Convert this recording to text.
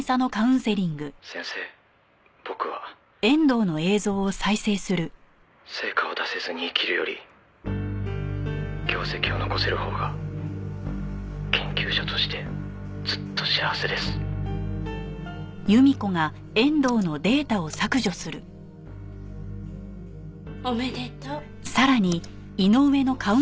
「先生僕は成果を出せずに生きるより業績を残せるほうが研究者としてずっと幸せです」おめでとう。